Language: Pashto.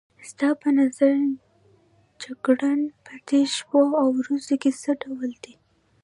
ستا په نظر جګړن په دې شپو او ورځو کې څه ډول دی؟